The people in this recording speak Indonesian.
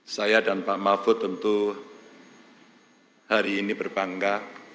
saya dan pak mahfud tentu hari ini berbangga